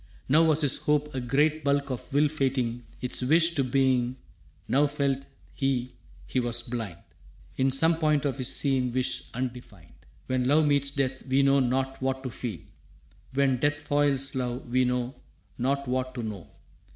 Now was his hope a great bulk of will fating Its wish to being, now felt he he was blind In some point of his seen wish undefined. When love meets death we know not what to feel. When death foils love we know not what to know.